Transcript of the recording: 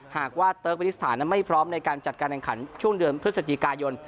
หากว่าเติร์กวินิสถานไม่พร้อมในการจัดการแข่งขันช่วงเดือนพฤศจิกายน